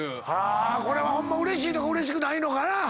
これはホンマうれしいのかうれしくないのかな。